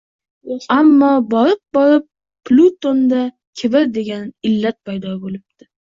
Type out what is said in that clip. Ammo, borib-borib Plutonda kibr degan illat paydo boʻlibdi